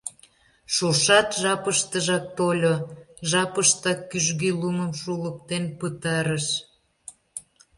Шошат жапыштыжак тольо, жапыштак кӱжгӧ лумым шулыктен пытарыш.